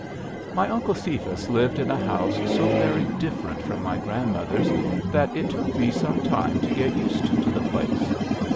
My Uncle Cephas lived in a house so very different from my grandmother's that it took me some time to get used to the place.